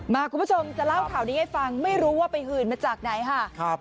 คุณผู้ชมจะเล่าข่าวนี้ให้ฟังไม่รู้ว่าไปหื่นมาจากไหนค่ะ